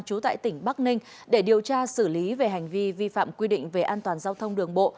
trú tại tỉnh bắc ninh để điều tra xử lý về hành vi vi phạm quy định về an toàn giao thông đường bộ